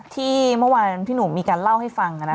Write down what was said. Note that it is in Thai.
ที่เมื่อวานพี่หนุ่มมีการเล่าให้ฟัง